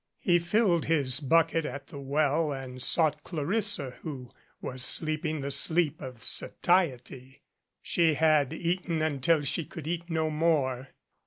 He filled his bucket at the well and sought Clarissa, who was sleeping the sleep of satiety. She had eaten until she could eat no more.